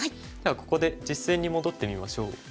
ではここで実戦に戻ってみましょう。